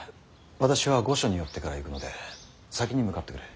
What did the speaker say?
私は御所に寄ってから行くので先に向かってくれ。